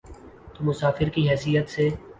تو مسافر کی حیثیت سے۔